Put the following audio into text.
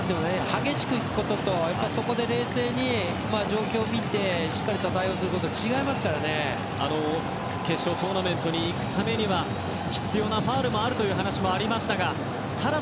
激しく行くところと冷静に状況を見てしっかりと対応することは決勝トーナメントに行くためには必要なファウルもあるという話もありましたがただ、